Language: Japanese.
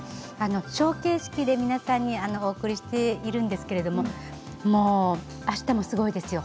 ショー形式で皆さんにお送りしているんですけれどあしたもすごいですよ。